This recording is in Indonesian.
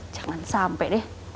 jangan sampai deh